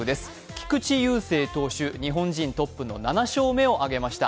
菊池雄星投手、日本人トップの７勝目を挙げました。